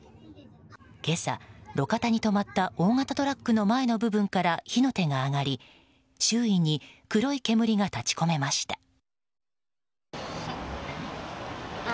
今朝、路肩に止まった大型トラックの前の部分から火の手が上がり周囲に黒い煙が立ち込めました。